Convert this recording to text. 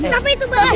tapi itu berhenti